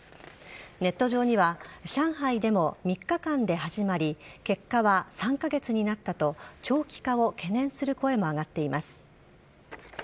ネット上には上海でも３日間で始まり結果は３か月になったと長期化を懸念する声も上がっています。